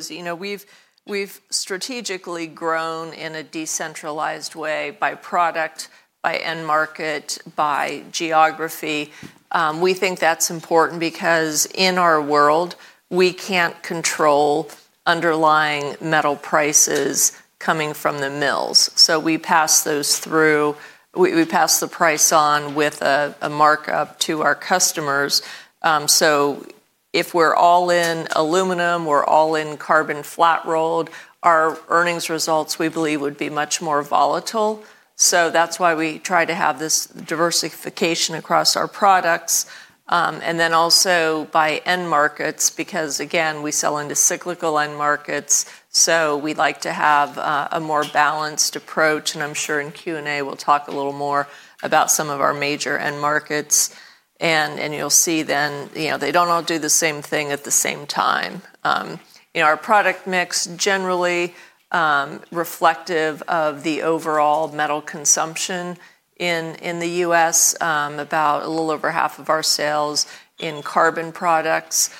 Shows you know we've strategically grown in a decentralized way by product, by end market, by geography. We think that's important because in our world, we can't control underlying metal prices coming from the mills. We pass those through, we pass the price on with a markup to our customers. If we're all in aluminum, we're all in carbon flat rolled, our earnings results we believe would be much more volatile. That's why we try to have this diversification across our products. Also by end markets, because again, we sell into cyclical end markets. We'd like to have a more balanced approach. I'm sure in Q&A we'll talk a little more about some of our major end markets. You'll see then they don't all do the same thing at the same time. Our product mix generally reflective of the overall metal consumption in the U.S., about a little over half of our sales in carbon products.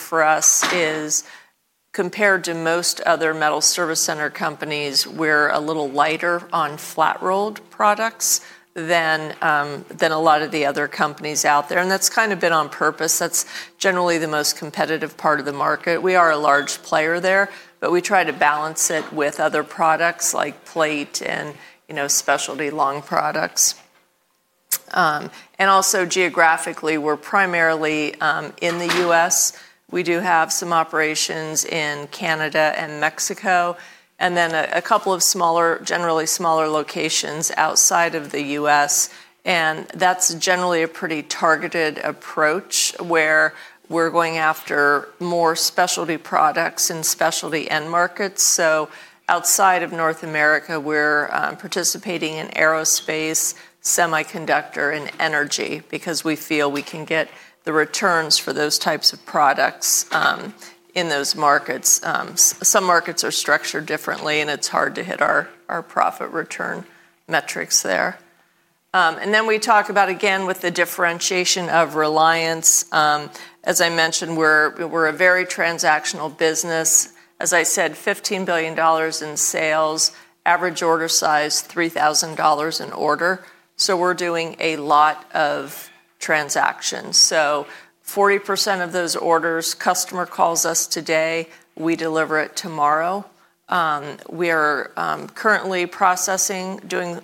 For us, compared to most other metal service center companies, we're a little lighter on flat rolled products than a lot of the other companies out there. That's kind of been on purpose. That's generally the most competitive part of the market. We are a large player there, but we try to balance it with other products like plate and specialty long products. Also geographically, we're primarily in the U.S. We do have some operations in Canada and Mexico, and then a couple of generally smaller locations outside of the U.S. That's generally a pretty targeted approach where we're going after more specialty products in specialty end markets. Outside of North America, we're participating in aerospace, semiconductor, and energy because we feel we can get the returns for those types of products in those markets. Some markets are structured differently, and it's hard to hit our profit return metrics there. We talk about, again, with the differentiation of Reliance. As I mentioned, we're a very transactional business. As I said, $15 billion in sales, average order size $3,000 an order. We're doing a lot of transactions. 40% of those orders, customer calls us today, we deliver it tomorrow. We are currently processing, doing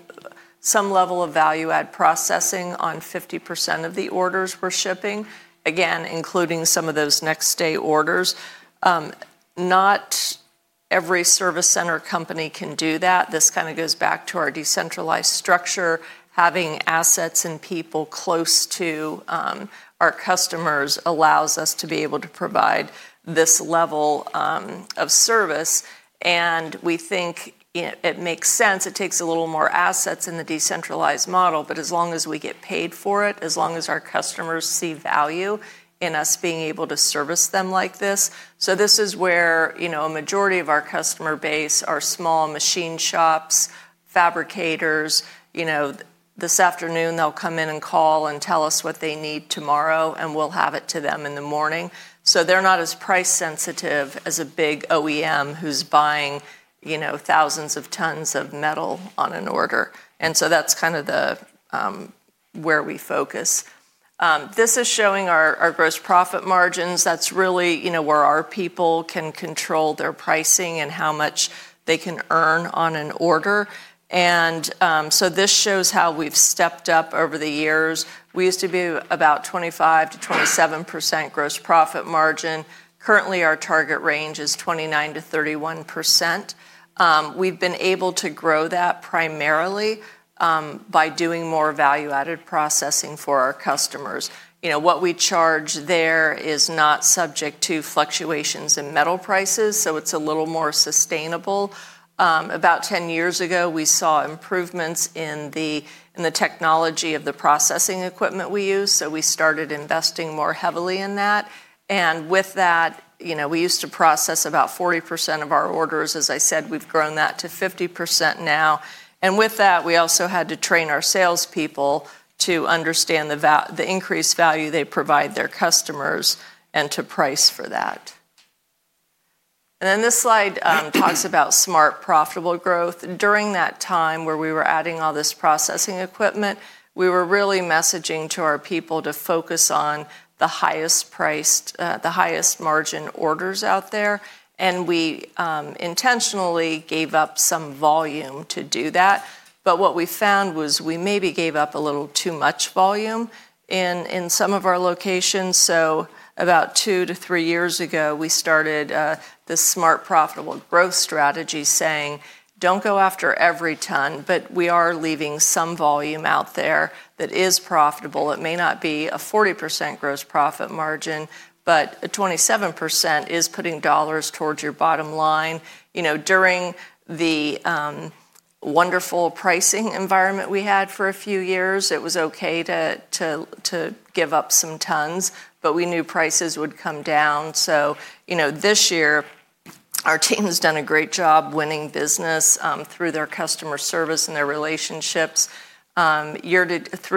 some level of value-add processing on 50% of the orders we're shipping, again, including some of those next-day orders. Not every service center company can do that. This kind of goes back to our decentralized structure. Having assets and people close to our customers allows us to be able to provide this level of service. We think it makes sense. It takes a little more assets in the decentralized model, but as long as we get paid for it, as long as our customers see value in us being able to service them like this. This is where a majority of our customer base are small machine shops, fabricators. This afternoon, they'll come in and call and tell us what they need tomorrow, and we'll have it to them in the morning. They're not as price sensitive as a big OEM who's buying thousands of tons of metal on an order. That's kind of where we focus. This is showing our gross profit margins. That's really where our people can control their pricing and how much they can earn on an order. This shows how we've stepped up over the years. We used to be about 25%-27% gross profit margin. Currently, our target range is 29%-31%. We've been able to grow that primarily by doing more value-added processing for our customers. What we charge there is not subject to fluctuations in metal prices, so it's a little more sustainable. About 10 years ago, we saw improvements in the technology of the processing equipment we use. We started investing more heavily in that. With that, we used to process about 40% of our orders. As I said, we've grown that to 50% now. With that, we also had to train our salespeople to understand the increased value they provide their customers and to price for that. This slide talks about smart profitable growth. During that time where we were adding all this processing equipment, we were really messaging to our people to focus on the highest margin orders out there. We intentionally gave up some volume to do that. What we found was we maybe gave up a little too much volume in some of our locations. About two to three years ago, we started this smart profitable growth strategy saying, do not go after every ton, but we are leaving some volume out there that is profitable. It may not be a 40% gross profit margin, but 27% is putting dollars towards your bottom line. During the wonderful pricing environment we had for a few years, it was okay to give up some tons, but we knew prices would come down. This year, our team has done a great job winning business through their customer service and their relationships. Through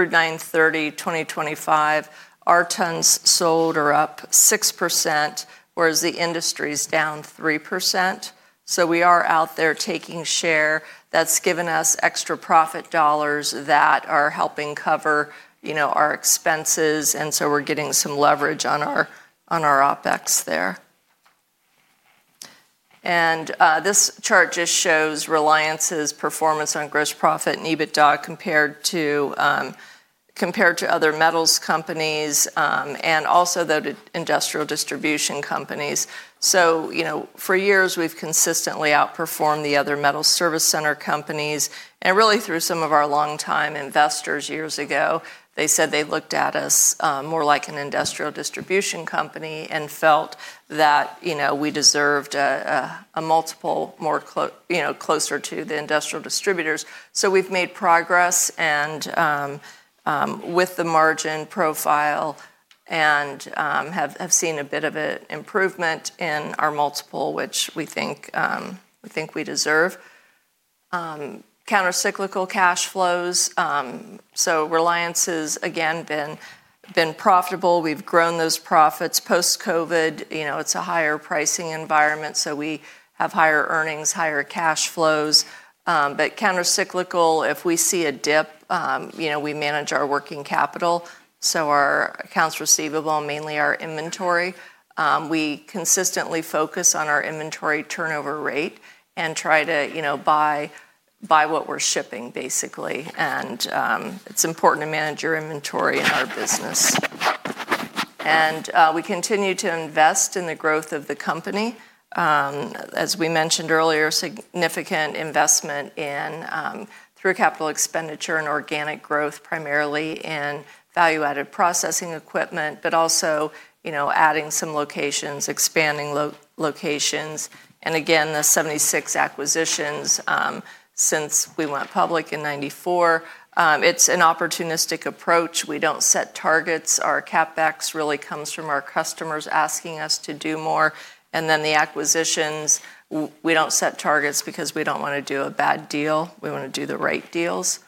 9/30/2025, our tons sold are up 6%, whereas the industry is down 3%. We are out there taking share. That has given us extra profit dollars that are helping cover our expenses. We are getting some leverage on our OpEx there. This chart just shows Reliance's performance on gross profit and EBITDA compared to other metals companies and also the industrial distribution companies. For years, we have consistently outperformed the other metal service center companies. Really, through some of our longtime investors years ago, they said they looked at us more like an industrial distribution company and felt that we deserved a multiple more closer to the industrial distributors. We've made progress with the margin profile and have seen a bit of an improvement in our multiple, which we think we deserve. Countercyclical cash flows. Reliance has again been profitable. We've grown those profits. Post-COVID, it's a higher pricing environment, so we have higher earnings, higher cash flows. Countercyclical, if we see a dip, we manage our working capital. Our accounts receivable, mainly our inventory, we consistently focus on our inventory turnover rate and try to buy what we're shipping, basically. It's important to manage your inventory in our business. We continue to invest in the growth of the company. As we mentioned earlier, significant investment through capital expenditure and organic growth, primarily in value-added processing equipment, but also adding some locations, expanding locations. The 76 acquisitions since we went public in 1994. It's an opportunistic approach. We don't set targets. Our CapEx really comes from our customers asking us to do more. The acquisitions, we do not set targets because we do not want to do a bad deal. We want to do the right deals.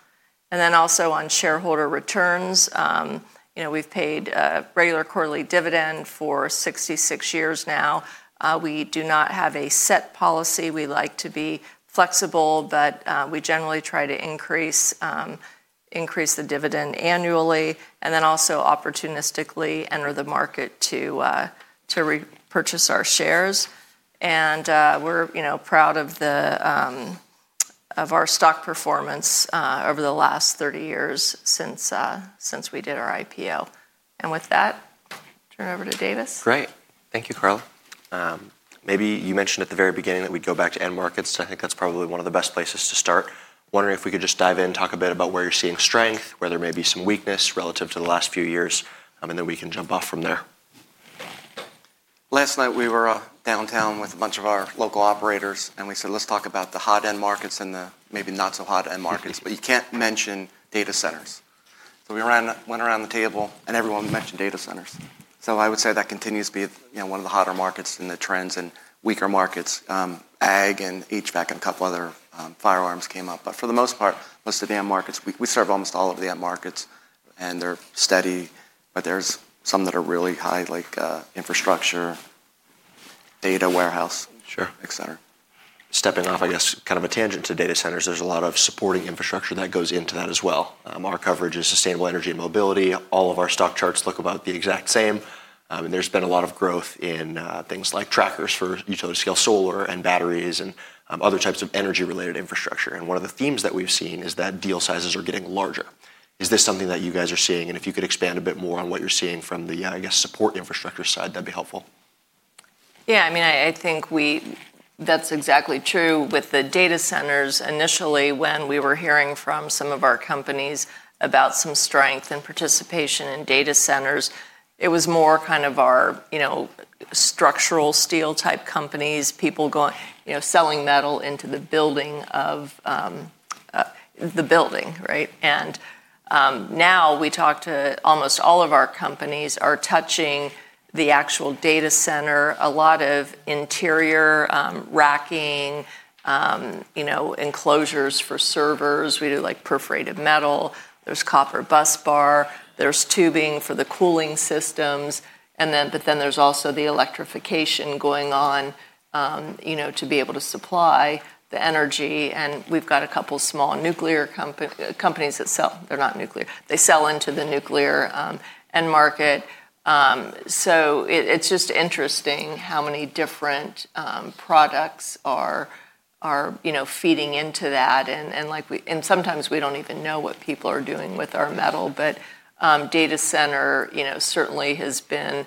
Also on shareholder returns, we have paid a regular quarterly dividend for 66 years now. We do not have a set policy. We like to be flexible, but we generally try to increase the dividend annually and also opportunistically enter the market to repurchase our shares. We are proud of our stock performance over the last 30 years since we did our IPO. With that, turn it over to Davis. Great. Thank you, Karla. Maybe you mentioned at the very beginning that we'd go back to end markets. I think that's probably one of the best places to start. Wondering if we could just dive in, talk a bit about where you're seeing strength, where there may be some weakness relative to the last few years, and then we can jump off from there. Last night, we were downtown with a bunch of our local operators, and we said, let's talk about the hot end markets and the maybe not so hot end markets, but you can't mention data centers. We went around the table, and everyone mentioned data centers. I would say that continues to be one of the hotter markets and the trends in weaker markets. AG and HVAC and a couple other firearms came up. For the most part, most of the end markets, we serve almost all of the end markets, and they're steady, but there's some that are really high, like infrastructure, data warehouse, et cetera. Stepping off, I guess, kind of a tangent to data centers, there is a lot of supporting infrastructure that goes into that as well. Our coverage is sustainable energy and mobility. All of our stock charts look about the exact same. There has been a lot of growth in things like trackers for utility-scale solar and batteries and other types of energy-related infrastructure. One of the themes that we have seen is that deal sizes are getting larger. Is this something that you guys are seeing? If you could expand a bit more on what you are seeing from the, I guess, support infrastructure side, that would be helpful. Yeah, I mean, I think that's exactly true. With the data centers, initially, when we were hearing from some of our companies about some strength and participation in data centers, it was more kind of our structural steel type companies, people selling metal into the building of the building, right? Now we talk to almost all of our companies are touching the actual data center, a lot of interior racking, enclosures for servers. We do perforated metal. There's copper busbar. There's tubing for the cooling systems. There is also the electrification going on to be able to supply the energy. We've got a couple of small nuclear companies that sell. They're not nuclear. They sell into the nuclear end market. It is just interesting how many different products are feeding into that. Sometimes we do not even know what people are doing with our metal. Data center certainly has been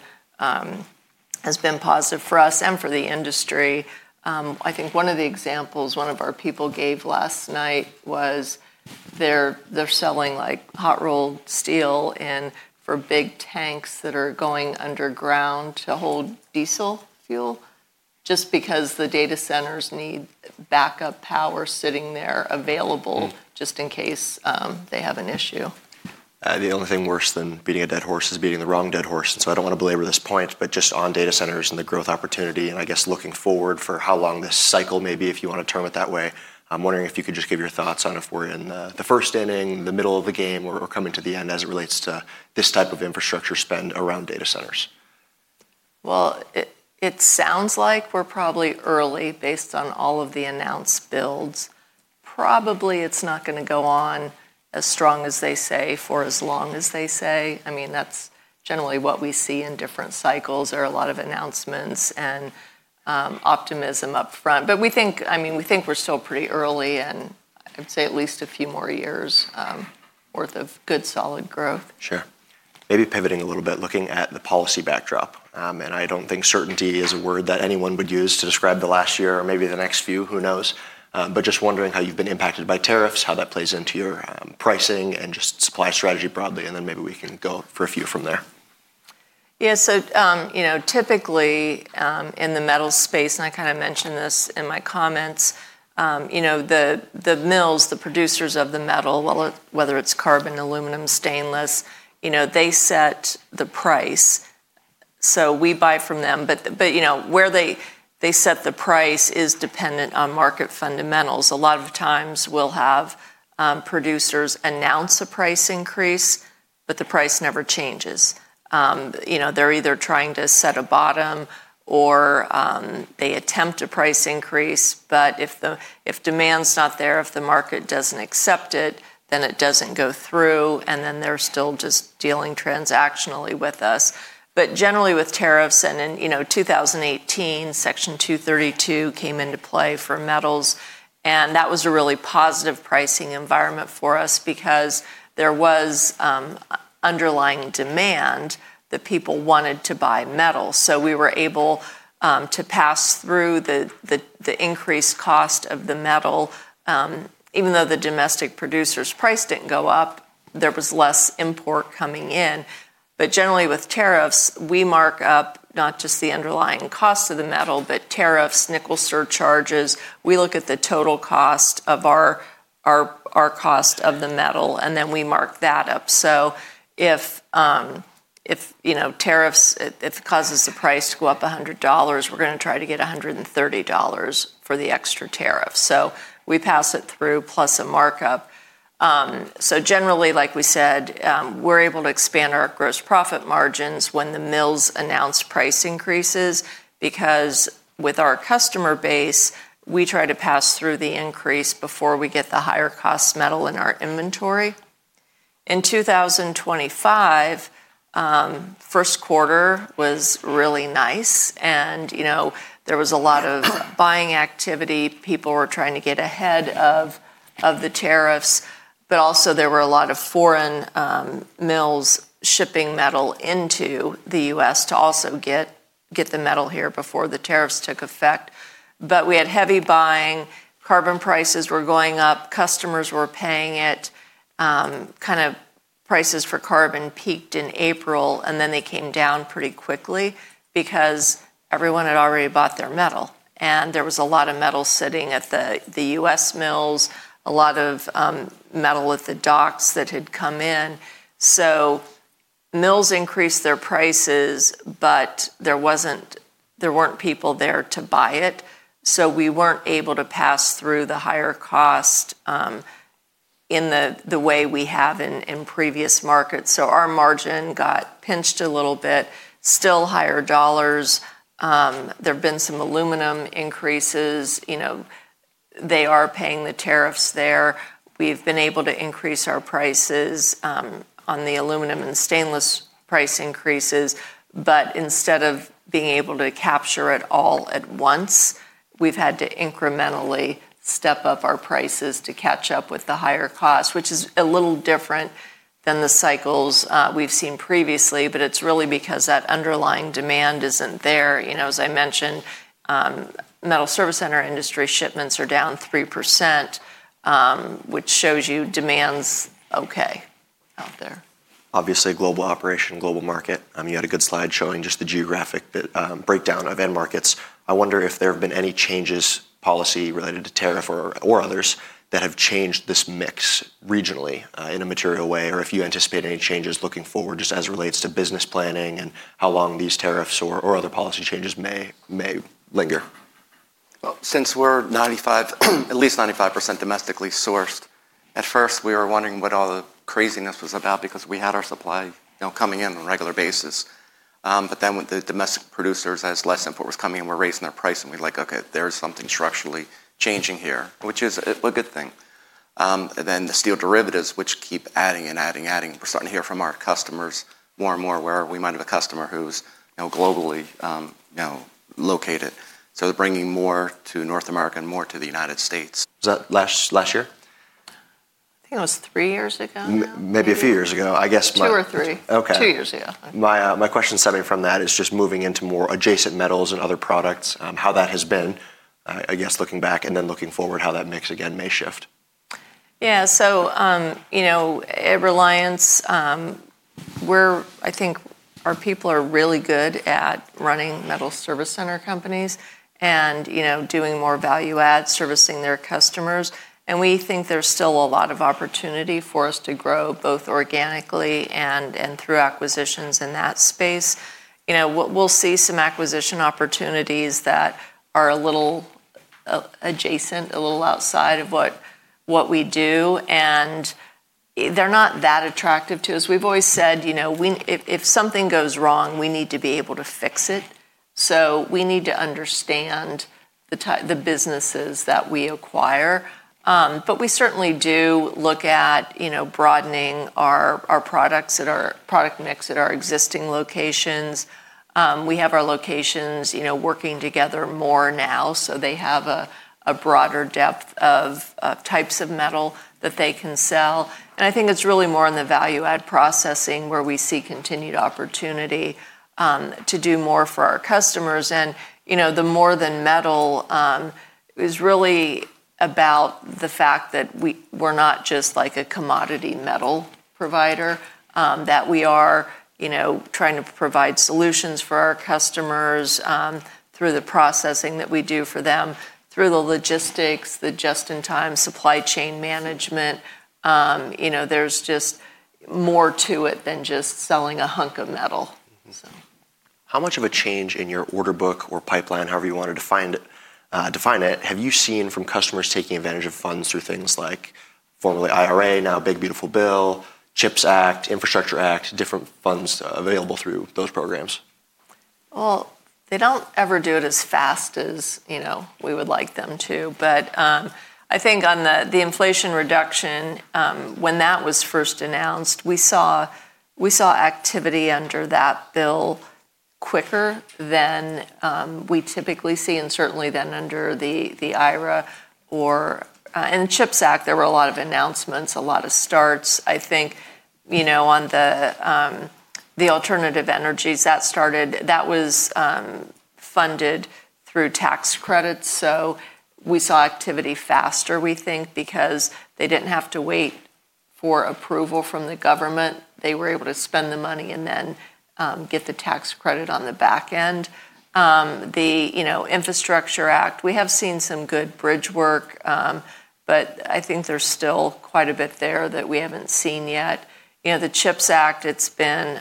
positive for us and for the industry. I think one of the examples one of our people gave last night was they're selling hot rolled steel for big tanks that are going underground to hold diesel fuel just because the data centers need backup power sitting there available just in case they have an issue. The only thing worse than beating a dead horse is beating the wrong dead horse. I do not want to belabor this point, but just on data centers and the growth opportunity, and I guess looking forward for how long this cycle may be, if you want to term it that way, I'm wondering if you could just give your thoughts on if we're in the first inning, the middle of the game, or coming to the end as it relates to this type of infrastructure spend around data centers. It sounds like we're probably early based on all of the announced builds. Probably it's not going to go on as strong as they say for as long as they say. I mean, that's generally what we see in different cycles. There are a lot of announcements and optimism upfront. I mean, we think we're still pretty early and I'd say at least a few more years' worth of good solid growth. Sure. Maybe pivoting a little bit, looking at the policy backdrop. I don't think certainty is a word that anyone would use to describe the last year or maybe the next few, who knows. Just wondering how you've been impacted by tariffs, how that plays into your pricing and just supply strategy broadly. Maybe we can go for a few from there. Yeah, so typically in the metal space, and I kind of mentioned this in my comments, the mills, the producers of the metal, whether it's carbon, aluminum, stainless, they set the price. We buy from them. Where they set the price is dependent on market fundamentals. A lot of times we'll have producers announce a price increase, but the price never changes. They're either trying to set a bottom or they attempt a price increase. If demand's not there, if the market doesn't accept it, then it doesn't go through. They're still just dealing transactionally with us. Generally with tariffs and in 2018, Section 232 came into play for metals. That was a really positive pricing environment for us because there was underlying demand that people wanted to buy metal. We were able to pass through the increased cost of the metal. Even though the domestic producer's price did not go up, there was less import coming in. Generally with tariffs, we mark up not just the underlying cost of the metal, but tariffs, nickel surcharges. We look at the total cost of our cost of the metal, and then we mark that up. If tariffs, if it causes the price to go up $100, we are going to try to get $130 for the extra tariff. We pass it through plus a markup. Generally, like we said, we are able to expand our gross profit margins when the mills announce price increases because with our customer base, we try to pass through the increase before we get the higher cost metal in our inventory. In 2025, first quarter was really nice. There was a lot of buying activity. People were trying to get ahead of the tariffs. There were a lot of foreign mills shipping metal into the U.S. to also get the metal here before the tariffs took effect. We had heavy buying. Carbon prices were going up. Customers were paying it. Prices for carbon peaked in April, and then they came down pretty quickly because everyone had already bought their metal. There was a lot of metal sitting at the U.S. mills, a lot of metal at the docks that had come in. Mills increased their prices, but there were not people there to buy it. We were not able to pass through the higher cost in the way we have in previous markets. Our margin got pinched a little bit. Still higher dollars. There have been some aluminum increases. They are paying the tariffs there. We've been able to increase our prices on the aluminum and stainless price increases. Instead of being able to capture it all at once, we've had to incrementally step up our prices to catch up with the higher cost, which is a little different than the cycles we've seen previously. It is really because that underlying demand isn't there. As I mentioned, metal service center industry shipments are down 3%, which shows you demand's okay out there. Obviously, global operation, global market. You had a good slide showing just the geographic breakdown of end markets. I wonder if there have been any changes, policy related to tariff or others that have changed this mix regionally in a material way or if you anticipate any changes looking forward just as it relates to business planning and how long these tariffs or other policy changes may linger. Since we're at least 95% domestically sourced, at first we were wondering what all the craziness was about because we had our supply coming in on a regular basis. As less import was coming in, the domestic producers were raising their price and we're like, okay, there's something structurally changing here, which is a good thing. The steel derivatives keep adding and adding and adding. We're starting to hear from our customers more and more where we might have a customer who's globally located, so they're bringing more to North America and more to the United States. Was that last year? I think it was three years ago. Maybe a few years ago, I guess. Two or three. Okay. Two years ago. My question stemming from that is just moving into more adjacent metals and other products, how that has been, I guess looking back and then looking forward, how that mix again may shift. Yeah, so Reliance, I think our people are really good at running metal service center companies and doing more value-add, servicing their customers. We think there's still a lot of opportunity for us to grow both organically and through acquisitions in that space. We'll see some acquisition opportunities that are a little adjacent, a little outside of what we do. They're not that attractive to us. We've always said if something goes wrong, we need to be able to fix it. We need to understand the businesses that we acquire. We certainly do look at broadening our products and our product mix at our existing locations. We have our locations working together more now, so they have a broader depth of types of metal that they can sell. I think it's really more in the value-add processing where we see continued opportunity to do more for our customers. The more than metal is really about the fact that we're not just like a commodity metal provider, that we are trying to provide solutions for our customers through the processing that we do for them, through the logistics, the just-in-time supply chain management. There's just more to it than just selling a hunk of metal. How much of a change in your order book or pipeline, however you want to define it, have you seen from customers taking advantage of funds through things like formerly IRA, now Big Beautiful Bill, CHIPS Act, Infrastructure Act, different funds available through those programs? They do not ever do it as fast as we would like them to. I think on the inflation reduction, when that was first announced, we saw activity under that bill quicker than we typically see and certainly than under the IRA or in CHIPS Act, there were a lot of announcements, a lot of starts. I think on the alternative energies that started, that was funded through tax credits. We saw activity faster, we think, because they did not have to wait for approval from the government. They were able to spend the money and then get the tax credit on the back end. The Infrastructure Act, we have seen some good bridge work, but I think there is still quite a bit there that we have not seen yet. The CHIPS Act, it has been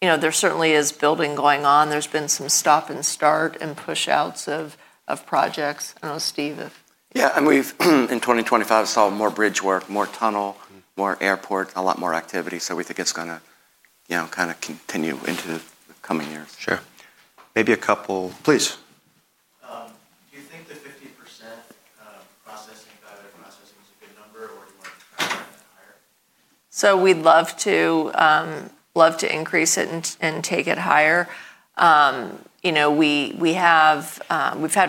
there certainly is building going on. There's been some stop and start and push-outs of projects. I don't know, Steve. Yeah, and we've in 2025 saw more bridge work, more tunnel, more airport, a lot more activity. We think it's going to kind of continue into the coming years. Sure. Maybe a couple. Please. is a good number, We'd love to increase it and take it higher. We've had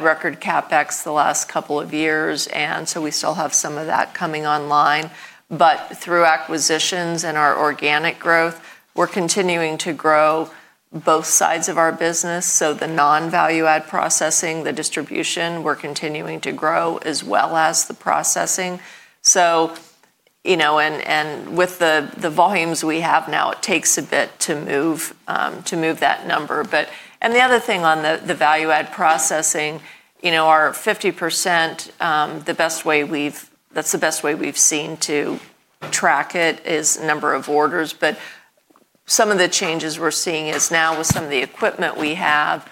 record CapEx the last couple of years, and we still have some of that coming online. Through acquisitions and our organic growth, we're continuing to grow both sides of our business. The non-value-add processing, the distribution, we're continuing to grow as well as the processing. With the volumes we have now, it takes a bit to move that number. The other thing on the value-add processing, our 50%, the best way we've seen to track it is number of orders. Some of the changes we're seeing is now with some of the equipment we have,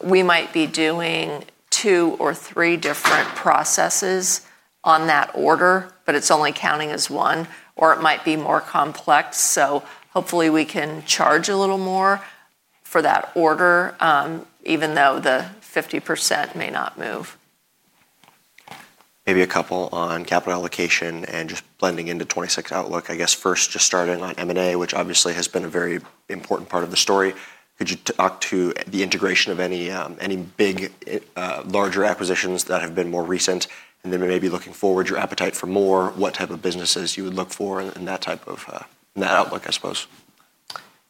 we might be doing two or three different processes on that order, but it's only counting as one, or it might be more complex. Hopefully we can charge a little more for that order, even though the 50% may not move. Maybe a couple on capital allocation and just blending into 2026 outlook. I guess first just starting on M&A, which obviously has been a very important part of the story. Could you talk to the integration of any big larger acquisitions that have been more recent? And then maybe looking forward, your appetite for more, what type of businesses you would look for in that type of outlook, I suppose.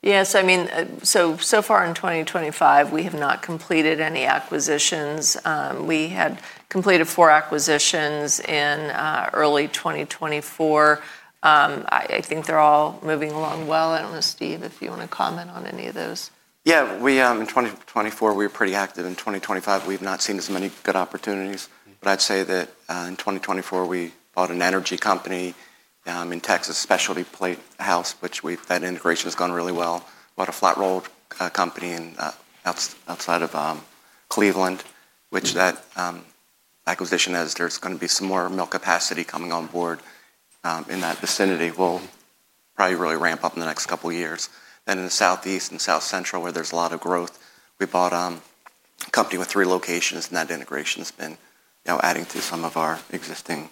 Yeah, so I mean, so far in 2025, we have not completed any acquisitions. We had completed four acquisitions in early 2024. I think they're all moving along well. I don't know, Steve, if you want to comment on any of those. Yeah, in 2024, we were pretty active. In 2025, we've not seen as many good opportunities. I'd say that in 2024, we bought an energy company in Texas, Specialty Plate House, which that integration has gone really well. Bought a flat roll company outside of Cleveland, which that acquisition, as there's going to be some more mill capacity coming on board in that vicinity, will probably really ramp up in the next couple of years. In the Southeast and South Central, where there's a lot of growth, we bought a company with three locations, and that integration has been adding to some of our existing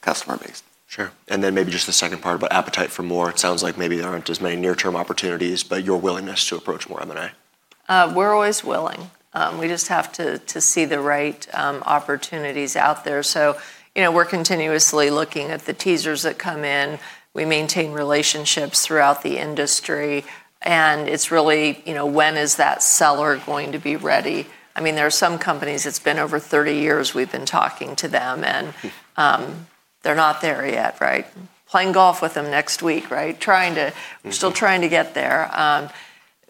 customer base. Sure. Maybe just the second part about appetite for more. It sounds like maybe there aren't as many near-term opportunities, but your willingness to approach more M&A. We're always willing. We just have to see the right opportunities out there. We're continuously looking at the teasers that come in. We maintain relationships throughout the industry. It's really, when is that seller going to be ready? I mean, there are some companies, it's been over 30 years we've been talking to them, and they're not there yet, right? Playing golf with them next week, right? We're still trying to get there.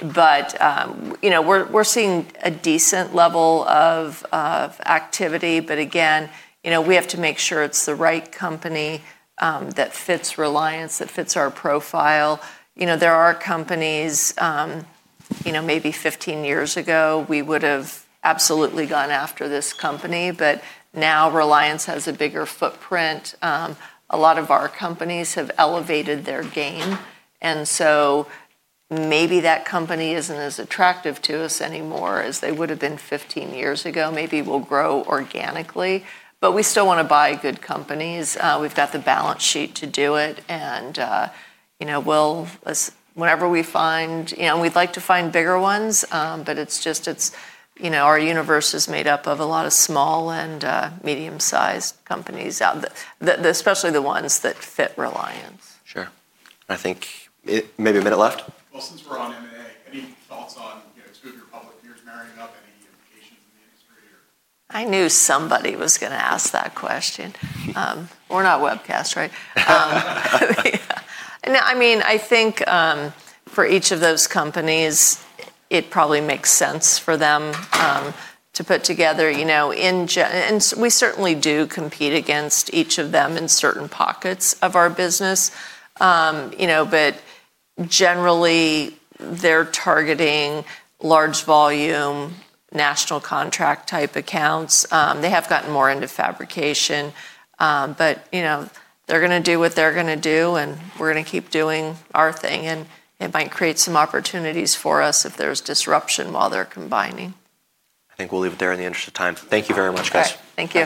We're seeing a decent level of activity. Again, we have to make sure it's the right company that fits Reliance, that fits our profile. There are companies maybe 15 years ago, we would have absolutely gone after this company. Now Reliance has a bigger footprint. A lot of our companies have elevated their gain. Maybe that company isn't as attractive to us anymore as they would have been 15 years ago. Maybe we'll grow organically. We still want to buy good companies. We've got the balance sheet to do it. Whenever we find, and we'd like to find bigger ones, it's just our universe is made up of a lot of small and medium-sized companies, especially the ones that fit Reliance. Sure. I think maybe a minute left. I knew somebody was going to ask that question. We're not webcast, right? I mean, I think for each of those companies, it probably makes sense for them to put together. We certainly do compete against each of them in certain pockets of our business. Generally, they're targeting large volume, national contract type accounts. They have gotten more into fabrication. They're going to do what they're going to do, and we're going to keep doing our thing. It might create some opportunities for us if there's disruption while they're combining. I think we'll leave it there in the interest of time. Thank you very much, guys. Okay. Thank you.